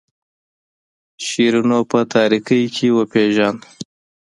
شیرینو په تاریکۍ کې وپیژاند.